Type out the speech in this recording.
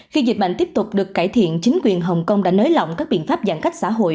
khi dịch bệnh tiếp tục được cải thiện chính quyền hồng kông đã nới lỏng các biện pháp giãn cách xã hội